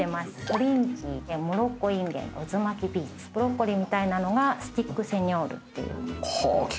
コリンキーモロッコインゲンうずまきビーツブロッコリーみたいなのがスティックセニョールっていう。